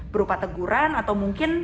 berupa teguran atau mungkin